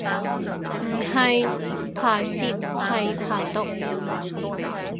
唔係排泄係排毒